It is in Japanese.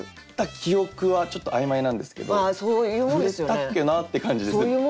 記憶はちょっと曖昧なんですけど「触れたっけな？」って感じです。